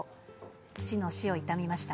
父の死を悼みました。